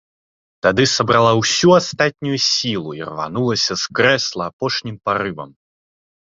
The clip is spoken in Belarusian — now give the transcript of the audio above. Тады сабрала ўсю астатнюю сілу і рванулася з крэсла апошнім парывам.